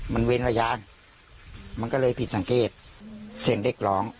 มันเว้นพยานมันก็เลยผิดสังเกตเสียงเด็กร้อง